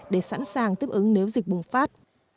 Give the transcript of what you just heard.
để sẵn sàng tiếp ứng nếu dịch bùng phát